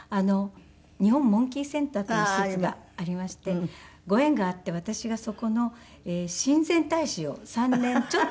日本モンキーセンターという施設がありましてご縁があって私がそこの親善大使を３年ちょっと。